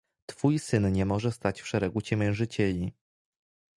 Twój syn niemoże stać w szeregu ciemiężycieli.